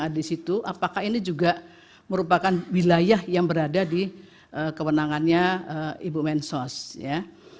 di situ apakah ini juga merupakan wilayah yang berada di kewenangannya ibu mensos ya